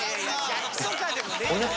「逆とかでもねえだろ！」